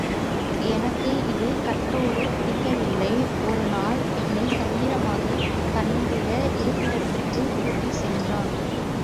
எனக்கு இது கட்டோடு பிடிக்கவில்லை ஒரு நாள் என்னைத் தந்திரமாக தன்னுடைய இருப்பிடத்துக்குக் கூட்டிச் சென்றார்.